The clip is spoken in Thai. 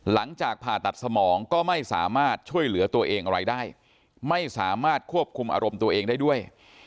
หลังจากผ่าตัดสมองก็ไม่สามารถช่วยเหลือตัวเองอะไรได้ไม่สามารถควบคุมอารมณ์ตัวเองได้ด้วย